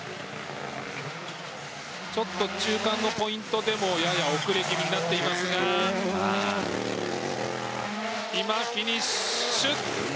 ちょっと中間のポイントでもやや遅れ気味になっていますが今、フィニッシュ。